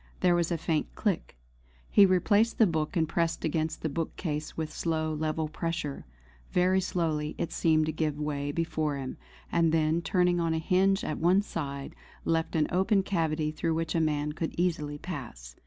There was a faint click. He replaced the book and pressed against the bookcase with slow level pressure. Very slowly it seemed to give way before him; and then turning on a hinge at one side, left an open cavity through which a man could easily pass.